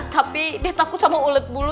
tapi dia takut sama ulet bulu